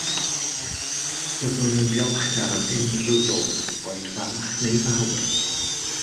Byddwn yn ddiolchgar am unrhyw rodd, boed fach neu fawr